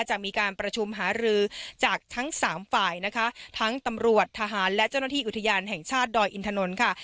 จะมีการประชุมหารือจากทั้งสามฝ่ายนะคะทั้งตำรวจทหารและเจ้าหน้าที่อุทยานแห่งชาติดอยอินทนนท์ค่ะ